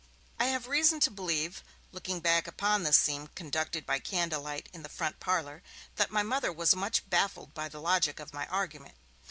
I have reason to believe, looking back upon this scene conducted by candlelight in the front parlour, that my Mother was much baffled by the logic of my argument.